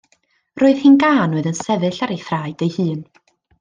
Roedd hi'n gân oedd yn sefyll ar ei thraed ei hun.